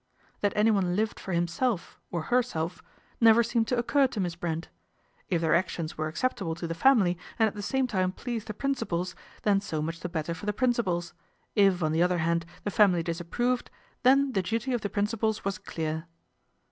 That anyone lived for himself or herself never seemed to occur to Miss Brent. If their actions were acceptable to the family and at the same time pleased the principals, then so much the better for the principals ; if, on the other hand, the family disapproved, then the duty of the principals was clear.